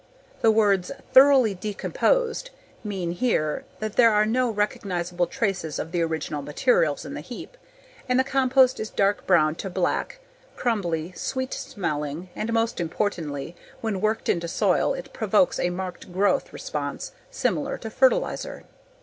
The words "thoroughly decomposed" mean here that there are no recognizable traces of the original materials in the heap and the compost is dark brown to black, crumbly, sweet smelling and most importantly, _when worked into soil it provokes a marked growth response, similar to fertilizer.